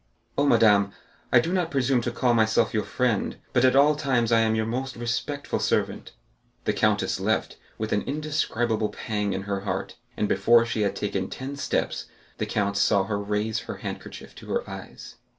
"Oh, madame, I do not presume to call myself your friend, but at all times I am your most respectful servant." The countess left with an indescribable pang in her heart, and before she had taken ten steps the count saw her raise her handkerchief to her eyes.